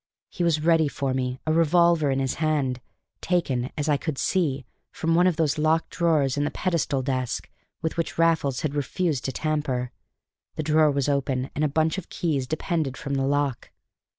He was ready for me, a revolver in his hand, taken, as I could see, from one of those locked drawers in the pedestal desk with which Raffles had refused to tamper; the drawer was open, and a bunch of keys depended from the lock.